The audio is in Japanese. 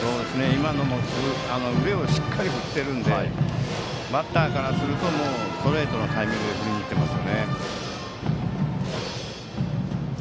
今のも腕をしっかり振っているのでバッターからするとストレートのタイミングで振りにいっていますね。